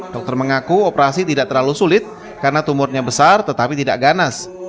dokter mengaku operasi tidak terlalu sulit karena tumornya besar tetapi tidak ganas